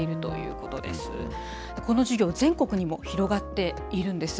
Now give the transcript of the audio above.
この授業、全国にも広がっているんです。